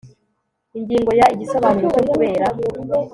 Ingingo ya Igisobanuro cyo kubera